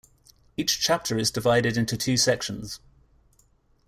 Each chapter is divided into two sections.